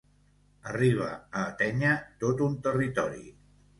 Arriba a atènyer tot un territori.